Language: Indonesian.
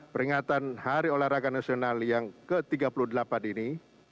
peringatan hari olahraga nasional yang ke tiga puluh delapan ini